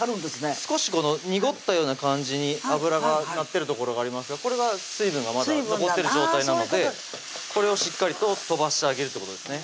少しこの濁ったような感じに脂がなってる所がありますがこれが水分がまだ残ってる状態なのでこれをしっかりと飛ばしてあげるってことですね